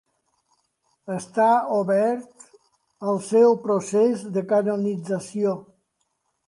Està obert el seu procés de canonització.